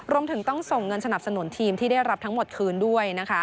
รวมถึงต้องส่งเงินสนับสนุนทีมที่ได้รับทั้งหมดคืนด้วยนะคะ